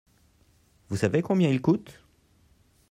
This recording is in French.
Vous savez combien il coûte ?